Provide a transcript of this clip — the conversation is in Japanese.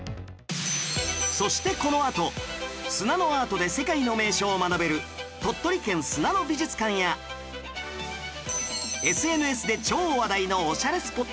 そしてこのあと砂のアートで世界の名所を学べる鳥取県砂の美術館や ＳＮＳ で超話題のオシャレスポット